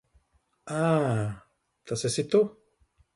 Ā, tas esi tu.